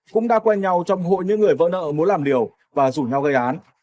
cũng đã quen nhau trong hội những người vỡ nợ muốn làm liều và rủ nhau gây án